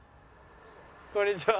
こんにちは。